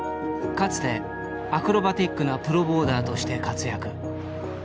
かつてアクロバティックなプロボーダーとして活躍。